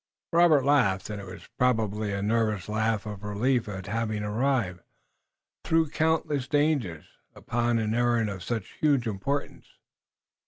Robert laughed, and it was probably a nervous laugh of relief at having arrived, through countless dangers, upon an errand of such huge importance.